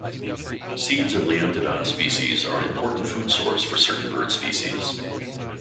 Seeds of "Leontodon" species are an important food source for certain bird species.